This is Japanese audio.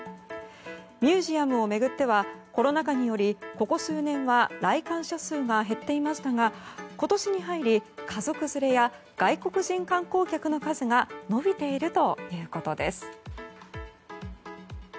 ミュージアムを巡ってはコロナ禍によりここ数年は来館者数が減っていましたが今年に入り、家族連れや外国人観光客の数が伸びているということです。